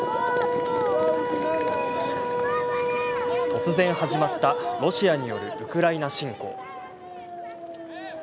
突然、始まったロシアによるウクライナ侵攻。